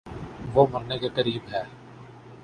وہ مرنے کے قریب ہے